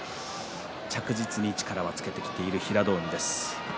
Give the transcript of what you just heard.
着実に力はつけてきている平戸海です。